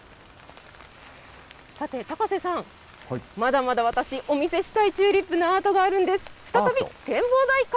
さて高瀬さん、まだまだ私、お見せしたいチューリップのアートがあるんです。